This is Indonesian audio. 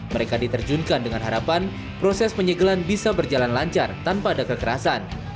mereka diterjunkan dengan harapan proses penyegelan bisa berjalan lancar tanpa ada kekerasan